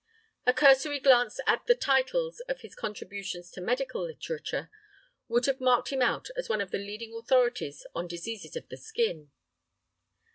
A cursory glance at the titles of his contributions to medical literature would have marked him out as one of the leading authorities on diseases of the skin.